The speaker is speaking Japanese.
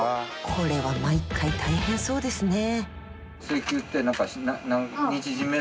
これは毎回大変そうですね。